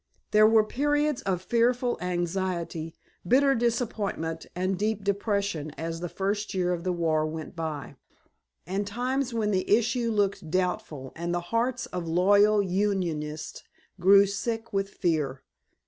There were periods of fearful anxiety, bitter disappointment and deep depression as the first year of the war went by, and times when the issue looked doubtful and the hearts of loyal Unionists grew sick with fear.